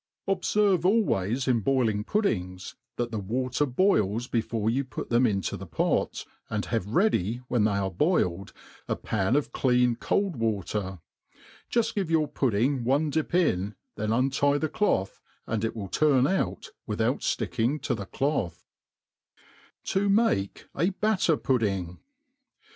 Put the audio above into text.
Qbferire always in boiling pud dings, that the water boils before you put them into the pot^ and have ready^ when they are boiled, a pan of clean cold wa ter ; jgft give your pudding one dip in, then untie tbe tloth^ and it will turii out, without flicking to the cloth* To make a BaitifPuik^.